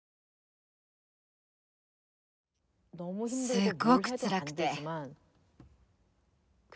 すっごくつらくて。